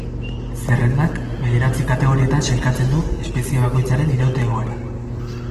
Zerrendak bederatzi kategoriatan sailkatzen du espezie bakoitzaren iraute egoera.